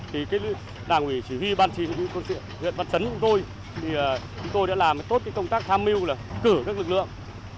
thì đảng ủy chỉ huy ban chỉ huy huyện văn chấn chúng tôi đã làm tốt công tác tham mưu là cửa các lực lượng